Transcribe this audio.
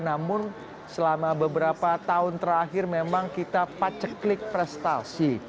namun selama beberapa tahun terakhir memang kita paceklik prestasi